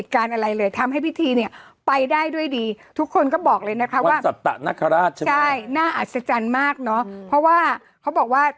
เขาอยู่เท่าไหร่อ่ะ